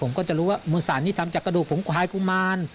ผมก็จะรู้ว่ามือสารนี้ทำจากกระดูกฝุงควายกุมาร